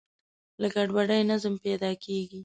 له ګډوډۍ نظم پیدا کېږي.